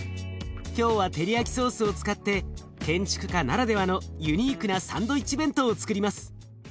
今日はテリヤキソースを使って建築家ならではのユニークなサンドイッチ弁当をつくります。